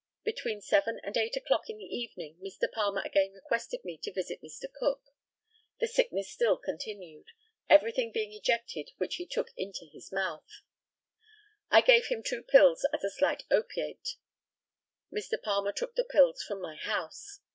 Between seven and eight o'clock in the evening Mr. Palmer again requested me to visit Mr. Cook. The sickness still continued, everything being ejected which he took into his stomach. I gave him two pills as a slight opiate. Mr. Palmer took the pills from my house.